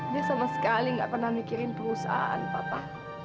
dia sama sekali nggak pernah mikirin perusahaan papa